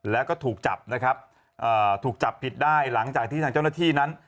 แล้วก็ถูกจับผิดได้หลังจากที่ทางเจ้าหน้าที่นั้น